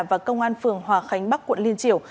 và công an phường hòa khánh bắc quận liên triều